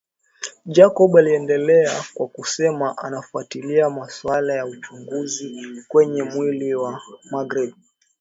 Jacob aliendelea kwa kusema anafuatilia masuala ya uchunguzi kwenye mwili wa magreth